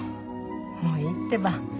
もういいってば。